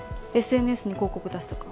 ＳＮＳに広告出すとか。